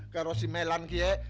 kalau simelan dia